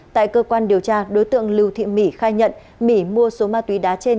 tại cơ quan điều tra đối tượng lưu thịnh bỉ khai nhận mỹ mua số ma túy đá trên